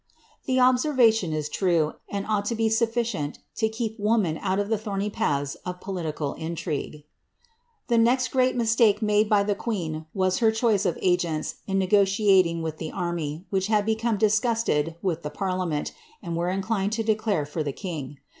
The observation is true, and ought to be sufficient to keep woman out of he thorny paths of political intrigue. The next great mistake made by the queen was her choice of agents in negotiating with the army, which had become disgusted with the par^ liament, and were inclined to declare for the king.